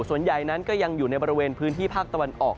ส่วนใหญ่นั้นก็ยังอยู่ในบริเวณพื้นที่ภาคตะวันออก